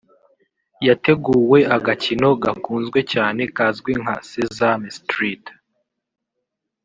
yateguwe agakino gakunzwe cyane kazwi nka Sesame Street